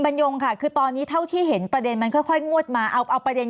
ยงค่ะคือตอนนี้เท่าที่เห็นประเด็นมันค่อยงวดมาเอาประเด็น